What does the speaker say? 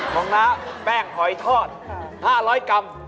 น้าแป้งหอยทอด๕๐๐กรัม